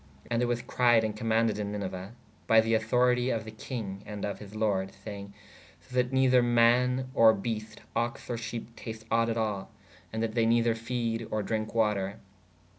And it was cried ād commaunded in Niniue by [the] auctorite of [the] kinge ād of his lordes sayenge: se that nether mā or beest/ oxe or shepe tast ought at al/ & that they nether fede or drinke water.